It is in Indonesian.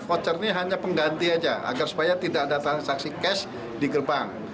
voucher ini hanya pengganti saja agar supaya tidak ada transaksi cash di gerbang